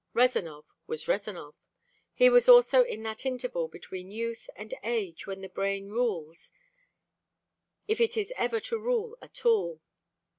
Rezanov was Rezanov. He was also in that interval between youth and age when the brain rules if it is ever to rule at all.